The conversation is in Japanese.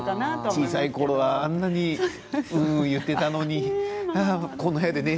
小さいころはあんなに行っていたのにああ、この部屋で寝